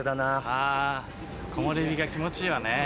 あぁ木漏れ日が気持ちいいわね。